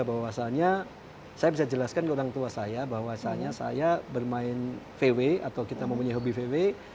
bahwasannya saya bisa jelaskan ke orang tua saya bahwasannya saya bermain vw atau kita mempunyai hobi vw